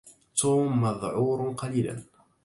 توم مذعور قليلا.